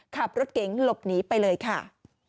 ขับรถเก๋งหลบหนีไปเลยค่ะ